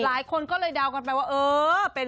หลายคนก็เลยดาวกันไปว่าเออ